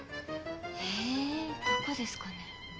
えどこですかね？